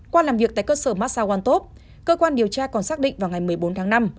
qua làm việc tại cơ sở massa one top cơ quan điều tra còn xác định vào ngày một mươi bốn tháng năm